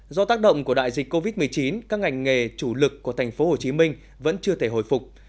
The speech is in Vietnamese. do tác động của đại dịch covid một mươi chín các ngành nghề chủ lực của thành phố hồ chí minh vẫn chưa thể hồi phục